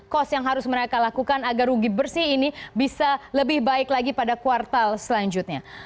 cost yang harus mereka lakukan agar rugi bersih ini bisa lebih baik lagi pada kuartal selanjutnya